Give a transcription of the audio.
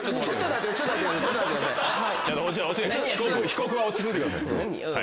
被告は落ち着いてください。